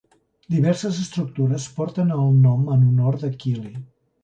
Diverses estructures porten el nom en honor de Kelley.